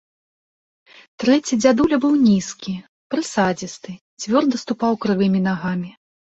Трэці дзядуля быў нізкі, прысадзісты, цвёрда ступаў крывымі нагамі.